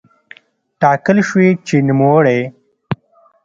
ټاکل شوې چې نوموړی